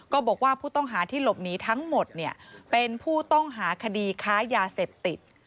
ก็บอกว่าผู้ต้องหาที่หลบหนีทั้งหมดเป็นผู้ต้องหาคดีค้ายาเสพติด